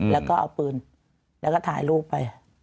แล้วก็เอาปืนแล้วก็ถ่ายรูปไป